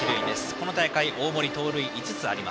この大会、大森は盗塁５つ。